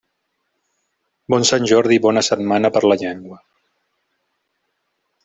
Bon Sant Jordi i bona Setmana per la Llengua!